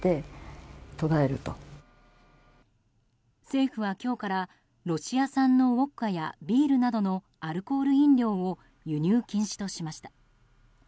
政府は今日から、ロシア産のウォッカやビールなどのアルコール飲料を輸入禁止としました。